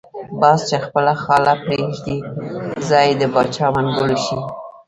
باز چی خپله ځاله پریږدی ځای یی دباچا منګول شی .